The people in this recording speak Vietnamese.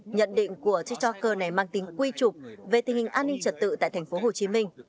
nhận định của tiktoker này mang tính quy trục về tình hình an ninh trật tự tại thành phố hồ chí minh